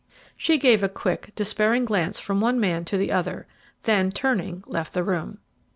She gave a quick, despairing glance from one man to the other; then, turning, left the room.